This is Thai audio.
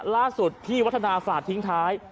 ล่าสุดพี่วัฒนาฝากทิ้งท้าย